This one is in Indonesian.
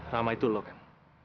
rama itu lo kan